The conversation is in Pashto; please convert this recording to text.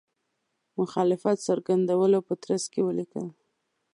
مخالفت څرګندولو په ترڅ کې ولیکل.